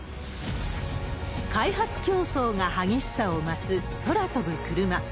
開発競争が激しさを増す空飛ぶクルマ。